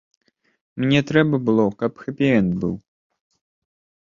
Мне трэба было, каб хэпі-энд быў.